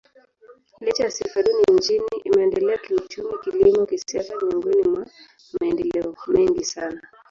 Licha ya sifa duni nchini, imeendelea kiuchumi, kilimo, kisiasa miongoni mwa maendeleo mengi sana.